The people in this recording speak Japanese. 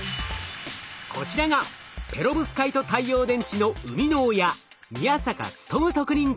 こちらがペロブスカイト太陽電池の生みの親